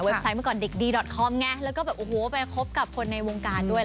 ไซต์เมื่อก่อนเด็กดีดอตคอมไงแล้วก็แบบโอ้โหไปคบกับคนในวงการด้วย